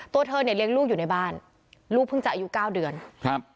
ตัวเธอเนี่ยเลี้ยงลูกอยู่ในบ้านลูกเพิ่งจะอายุเก้าเดือนครับ